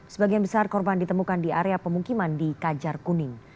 sebagian besar korban ditemukan di area pemukiman di kajar kuning